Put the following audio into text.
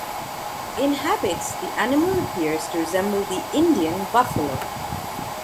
In habits, the animal appears to resemble the Indian buffalo.